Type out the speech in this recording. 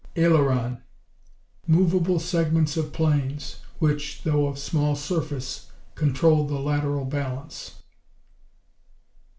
Aileron Moveable segments of planes, which, though of small surface, control the lateral balance.